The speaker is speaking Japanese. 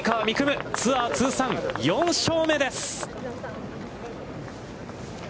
夢、ツアー通算４勝目です！